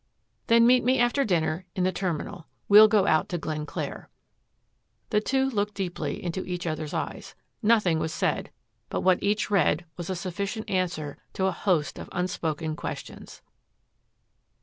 "Then meet me after dinner in the Terminal. We'll go out to Glenclair." The two looked deeply into each other's eyes. Nothing was said, but what each read was a sufficient answer to a host of unspoken questions.